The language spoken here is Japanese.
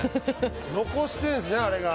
残してんですねあれが。